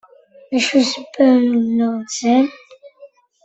D acu i d ssebba n umennuɣ-nsen?